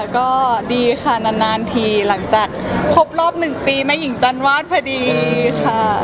ก็ดีค่ะนานทีหลังจากครบรอบ๑ปีแม่หญิงจันวาดพอดีค่ะ